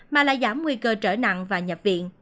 mà là giảm nguy cơ trở nặng và nhập viện